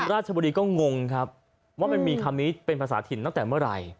ราชบุรีก็งงครับว่ามันมีคำนี้เป็นภาษาถิ่นตั้งแต่เมื่อไหร่